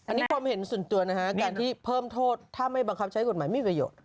อันนี้ความเห็นส่วนตัวนะฮะการที่เพิ่มโทษถ้าไม่บังคับใช้กฎหมายมีประโยชน์